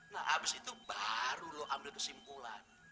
nah setelah itu baru kamu ambil kesimpulan